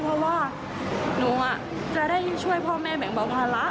เพราะว่าหนูจะได้ช่วยพ่อแม่แบ่งเบาภาระ